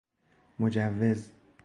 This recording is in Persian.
مجوز